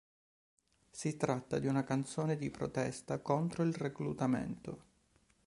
Si tratta di una canzone di protesta contro il reclutamento.